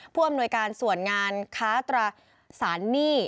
ผู้อำนวยการส่วนงานค้าตราสารหนี้